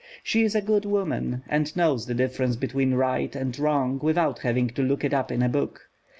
She is a good woman, and knows the difference between right and wrong without having to look it up in a book.